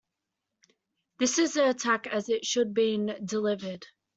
This is the attack as it should have been delivered.